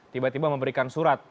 tiba tiba memberikan surat